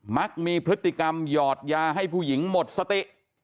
มักมีพฤติกรรมหยอดยาให้ผู้หญิงหมดสติ